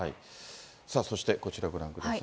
さあ、そしてこちらご覧ください。